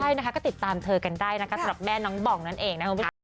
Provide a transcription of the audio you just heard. ใช่นะคะก็ติดตามเธอกันได้นะคะสำหรับแม่น้องบองนั่นเองนะคุณผู้ชม